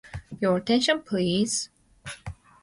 Your attention, please.